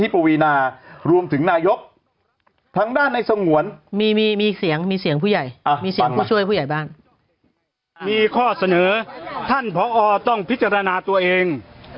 พิจารณาตัวเอง